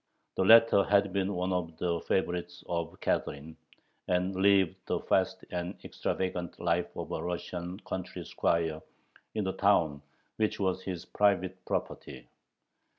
The latter had been one of the favorites of Catherine, and lived the fast and extravagant life of a Russian country squire in the town which was his private property.